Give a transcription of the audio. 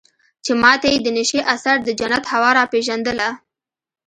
چې ما ته يې د نشې اثر د جنت هوا راپېژندله.